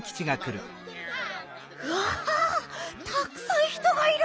わたくさん人がいる！